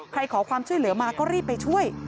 ขอความช่วยเหลือมาก็รีบไปช่วย